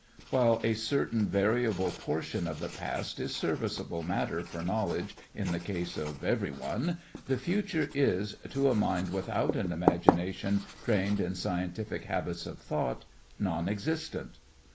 While a certain variable portion of the past is serviceable matter for knowledge in the case of everyone, the future is, to a mind without an imagination trained in scientific habits of thought, non existent.